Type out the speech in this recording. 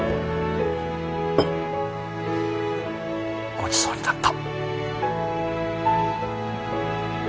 ごちそうになった。